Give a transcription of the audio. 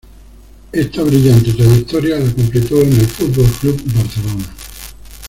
Esta brillante trayectoria la completó en el Fútbol Club Barcelona.